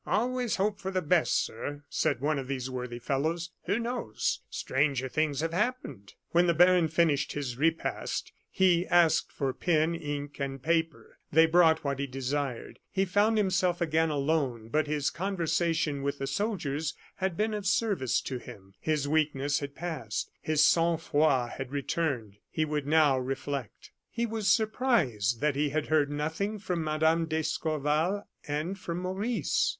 "Always hope for the best, sir," said one of these worthy fellows. "Who knows? Stranger things have happened!" When the baron finished his repast, he asked for pen, ink, and paper. They brought what he desired. He found himself again alone; but his conversation with the soldiers had been of service to him. His weakness had passed; his sang froid had returned; he would now reflect. He was surprised that he had heard nothing from Mme. d'Escorval and from Maurice.